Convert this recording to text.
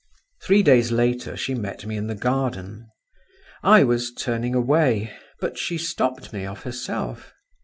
Three days later she met me in the garden. I was turning away, but she stopped me of herself.